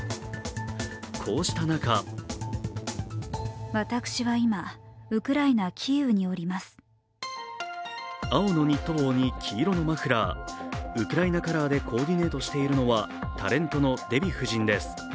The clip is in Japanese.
こうした中青のニット帽に黄色のマフラー、ウクライナカラーでコーディネートしているのはタレントのデヴィ夫人です。